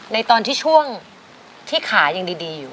ในตอนที่ช่วงที่ขายังดีอยู่